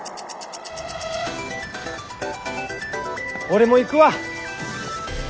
俺も行くわ。